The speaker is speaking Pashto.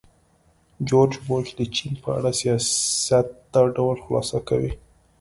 جورج بوش د چین په اړه سیاست دا ډول خلاصه کوي.